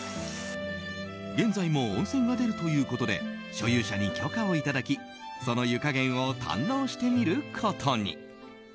現在も温泉が出るということで所有者に許可をいただきその湯加減を堪能してみることに。